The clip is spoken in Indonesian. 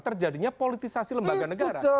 terjadinya politisasi lembaga negara